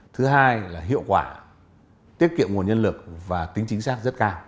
thứ hai là hiệu quả tiết kiệm nguồn nhân lực và tính chính xác rất cao